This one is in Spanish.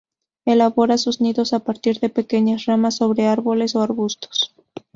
Elabora sus nidos a partir de pequeñas ramas sobre árboles o arbustos.